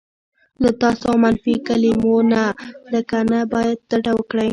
له "تاسو" او منفي کلیمو لکه "نه باید" ډډه وکړئ.